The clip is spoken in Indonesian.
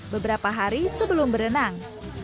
beberapa hari sebelum berenang